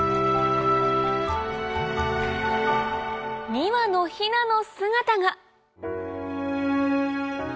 ２羽のヒナの姿が！